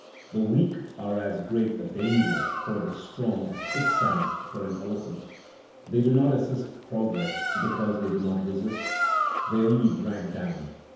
The weak are as great a danger for the strong as quicksands for an elephant. They do not assist progress because they do not resist; they only drag down.